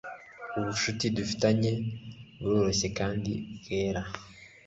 ubucuti dufitanye buroroshye kandi bwera